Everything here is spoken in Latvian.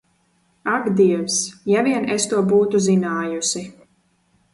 Ak, dievs, ja vien es to būtu zinājusi!